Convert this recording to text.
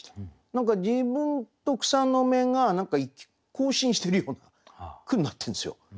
何か自分と草の芽が交信してるような句になってるんですよ。